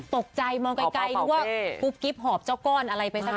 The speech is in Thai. ตกใจมองไกลนึกว่ากุ๊บกิ๊บหอบเจ้าก้อนอะไรไปสัก